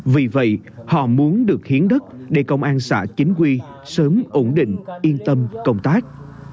vì vậy họ muốn được hiến đất để công an xã chính quy sớm ổn định yên tâm công tác